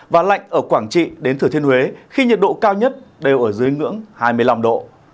và lạnh ở quảng trị đến thừa thiên huế khi nhiệt độ cao nhất đều ở dưới ngưỡng hai mươi năm độ